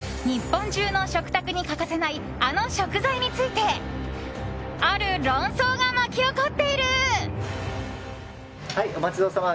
今、日本中の食卓に欠かせないあの食材についてある論争が巻き起こっている。